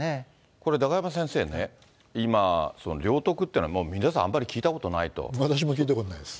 これ、中山先生ね、今、領得っていうのはもう皆さんあんまり私も聞いたことないです。